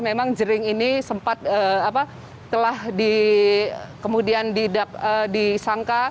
memang jering ini sempat telah kemudian disangka